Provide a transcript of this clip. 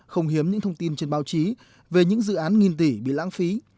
không hiếm những thông tin trên báo chí về những dự án nghìn tỷ bị lãng phí